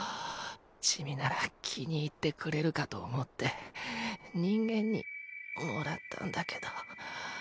チミなら気に入ってくれるかと思って人間にもらったんだけど。